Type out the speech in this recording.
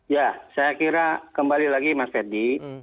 ya saya kira kembali lagi mas ferdi